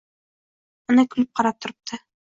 Ana kulib qarab turibdi